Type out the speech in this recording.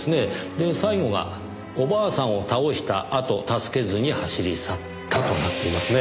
で最後が「お婆さんを倒したあと助けずに走り去った」となっていますね。